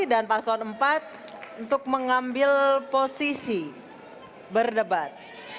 dan pasangan empat untuk mengambil posisi berdebat